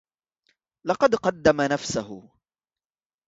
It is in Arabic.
لقد قدّم نفسه.